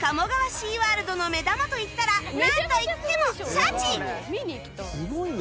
シーワールドの目玉といったらなんといってもシャチ